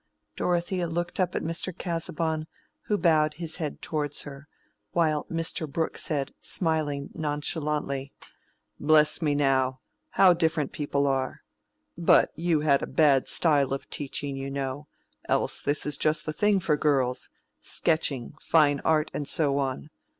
Dorothea looked up at Mr. Casaubon, who bowed his head towards her, while Mr. Brooke said, smiling nonchalantly— "Bless me, now, how different people are! But you had a bad style of teaching, you know—else this is just the thing for girls—sketching, fine art and so on.